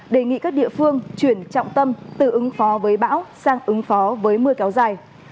đề nghị các địa phương chuyển trọng tâm từ ứng phó với bão sang ứng phó với mưa kéo dài